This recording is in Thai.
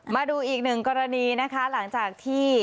มาดูอีกหนึ่งกรณีนะคะหลังจากที่